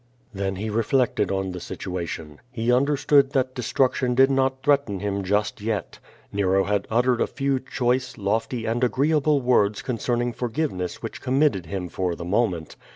Then he reflected on the situation. He understood that destruction did not threaten him just yet. Nero had uttered a few choice, lofty and agreeable worids concerning forgive ness which committed him for the moment.